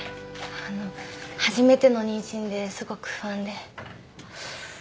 あの初めての妊娠ですごく不安で。